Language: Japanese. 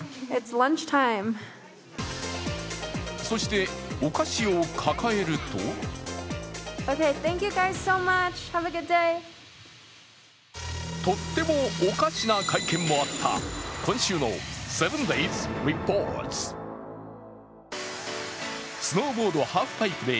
そして、お菓子を抱えるととってもおかしな会見もあった今週の「７ｄａｙｓリポート」。